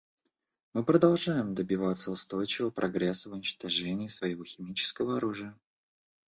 Мы продолжаем добиваться устойчивого прогресса в уничтожении своего химического оружия.